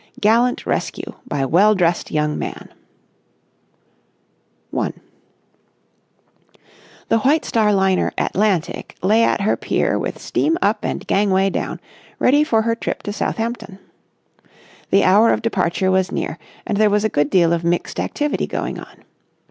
GALLANT RESCUE BY WELL DRESSED YOUNG MAN § 1 The White Star liner "Atlantic" lay at her pier with steam up and gangway down, ready for her trip to Southampton. The hour of departure was near, and there was a good deal of mixed activity going on.